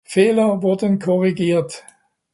Fehler wurden korrigiert.